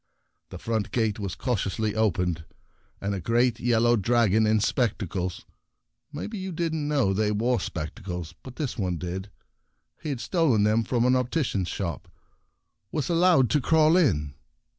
The front gate was cautiously opened, and a great yellow dragon in spectacles — maybe you didn't know they wore spectacles, but this one did ; he had stolen them from an opti cian's shop — was allowed to crawl in.